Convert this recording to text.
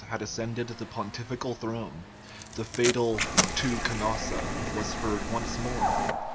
had ascended the pontifical throne, the fatal " To Canossa " was heard once more.